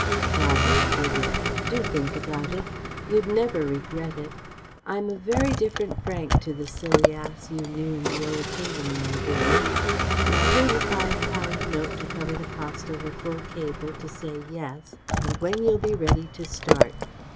Darling Vivie! Do think about it. You'd never regret it. I'm a very different Frank to the silly ass you knew in the old Haslemere days. Now here's a five pound note to cover the cost of a full cable to say "yes," and when you'll be ready to start.